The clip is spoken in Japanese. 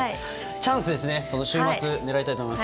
チャンスですね週末狙いたいと思います。